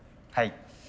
はい。